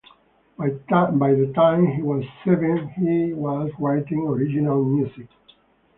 By the time he was seven he was writing original music.